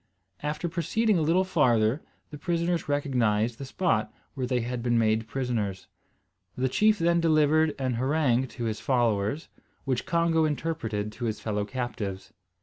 After proceeding a little farther the prisoners recognised the spot where they had been made prisoners. The chief then delivered an harangue to his followers, which Congo interpreted to his fellow captives.